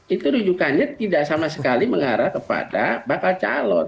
itu rujukannya tidak sama sekali mengarah kepada bakal calon